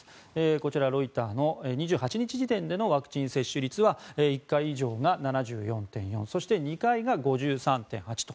こちら、ロイターの２８日時点でのワクチン接種率は１回以上が７４．４％そして、２回が５３．８％と。